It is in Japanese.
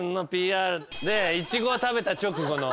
イチゴを食べた直後の。